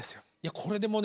これでもね